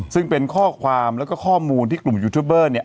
ซึ่งเป็นข้อความแล้วก็ข้อมูลที่กลุ่มยูทูบเบอร์เนี่ย